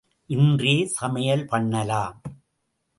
இன்றே சமையல் பண்ணலாம்.